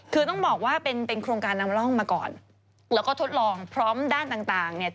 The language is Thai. คือต้องบอกว่าเป็นเป็นโครงการนำร่องมาก่อนแล้วก็ทดลองพร้อมด้านต่างต่างเนี่ย